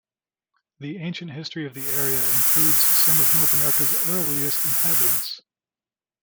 The ancient history of the area includes some of North America's earliest inhabitants.